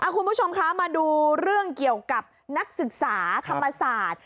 คุณผู้ชมคะมาดูเรื่องเกี่ยวกับนักศึกษาธรรมศาสตร์